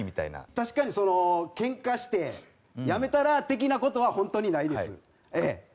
確かにけんかして、やめたらぁ的なことは本当にないです。